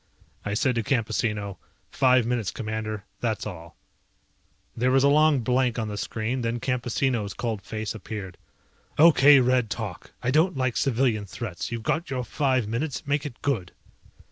I said to Campesino, "Five minutes, Commander. That's all." There was a long blank on the screen, then Campesino's cold face appeared. "Okay, Red, talk. I don't like civilian threats. You've got your five minutes, make it good."